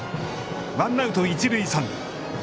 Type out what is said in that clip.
ワンアウト、一塁三塁。